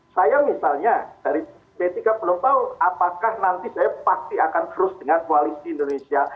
saya misalnya dari p tiga belum tahu apakah nanti saya pasti akan terus dengan koalisi indonesia